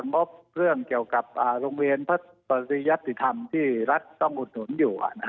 งบเรื่องเกี่ยวกับโรงเรียนพระปริยติธรรมที่รัฐต้องอุดหนุนอยู่